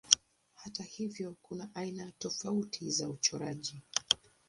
Hata hivyo kuna aina tofauti za uchoraji.